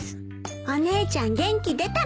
お姉ちゃん元気出たみたい。